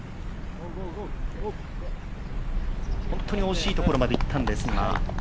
本当に惜しいところまでいったんですが。